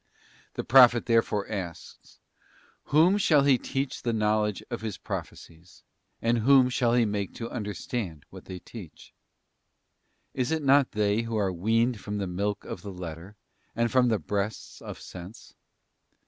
The Prophet therefore asks, 'Whom shall he teach the knowledge' of his prophecies, and ' whom shall he make to understand' what they teach? Is it not they who are 'weaned from the milk' of the letter and from ' the breasts' of sense?